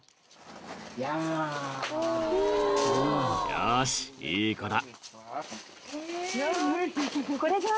よしいい子だ。